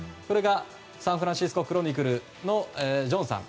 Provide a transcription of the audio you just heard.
サンフランシスコ・クロニクルのジョンさん。